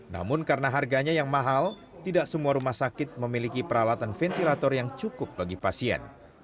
namun karena harganya yang mahal tidak semua rumah sakit memiliki peralatan ventilator yang cukup bagi pasien